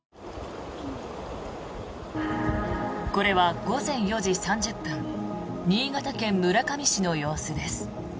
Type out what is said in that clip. これは午前４時３０分新潟県村上市の様子です。